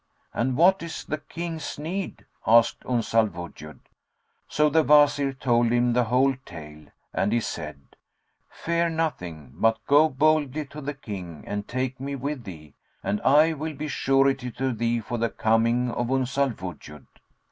'" "And what is the King's need?" asked Uns al Wujud. So the Wazir told him the whole tale, and he said, "Fear nothing, but go boldly to the King and take me with thee; and I will be surety to thee for the coming of Uns al Wujud."